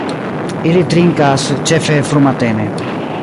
Ili trinkas ĉefe frumatene.